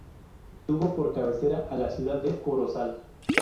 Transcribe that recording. Tuvo por cabecera a la ciudad de Corozal.